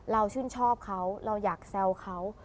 ชื่นชอบเขาเราอยากแซวเขา